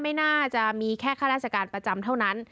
ไม่น่าจะมีแค่ข้าราชการประจำเท่านั้น